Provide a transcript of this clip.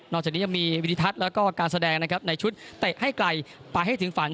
จากนี้ยังมีวิธีทัศน์แล้วก็การแสดงนะครับในชุดเตะให้ไกลไปให้ถึงฝัน